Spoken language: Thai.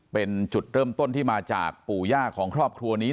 เป็นจุดเริ่มต้นที่มาจากปู่ย่าของครอบครัวนี้